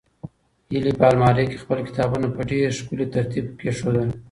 هیلې په المارۍ کې خپل کتابونه په ډېر ښکلي ترتیب کېښودل.